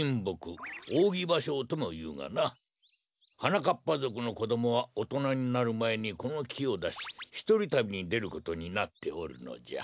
はなかっぱぞくのこどもはおとなになるまえにこのきをだしひとりたびにでることになっておるのじゃ。